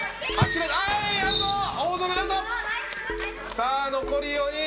さあ残り４人。